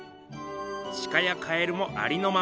シカやカエルもありのまま。